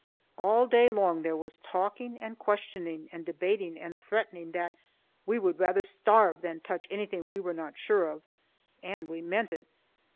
All day long there was talking and questioning and debating and threatening that "we would rather starve than touch anything we were not sure of." And we meant it.